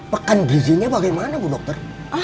pakan gizinya bagaimana bu dokter